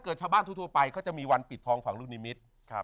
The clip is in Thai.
เกิดชาบ้านทัวไปก็จะมีวันปิดทองฝังลูกนิมิตรครับเขา